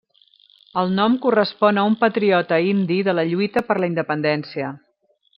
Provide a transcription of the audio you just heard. El nom correspon a un patriota indi de la lluita per la independència.